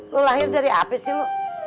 lu lahir dari apa sih lu